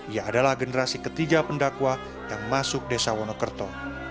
ia adalah generasi ketiga pendakwa yang masuk desa wonokerto